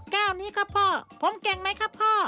แก้วนี้ครับพ่อผมเก่งไหมครับพ่อ